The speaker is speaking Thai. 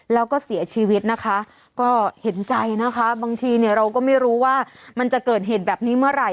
แล้วก็เสียชีวิตนะคะก็เห็นใจนะคะบางทีเนี่ยเราก็ไม่รู้ว่ามันจะเกิดเหตุแบบนี้เมื่อไหร่